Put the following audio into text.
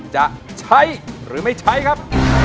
จะใช้หรือไม่ใช้ครับ